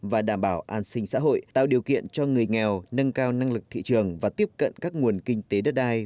và đảm bảo an sinh xã hội tạo điều kiện cho người nghèo nâng cao năng lực thị trường và tiếp cận các nguồn kinh tế đất đai